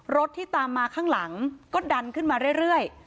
รถที่ตามมาข้างหลังก็ดันขึ้นมาเรื่อย